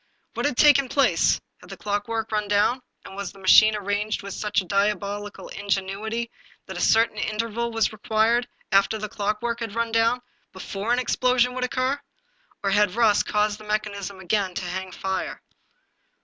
What had taken place? Had the clockwork run down, and was the machine arranged with such a diabolical in genuity that a certain interval was required, after the clock work had run down, before an explosion could occur ? Or had rust caused the mechanism to again hang fire